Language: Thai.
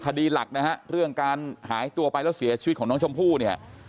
คดีหลักนะฮะเรื่องการหายตัวไปแล้วเสียชีวิตของน้องชมพู่เนี่ย